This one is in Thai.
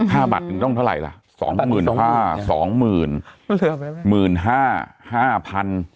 ค่าบัตรนึงต้องเท่าไหร่ละ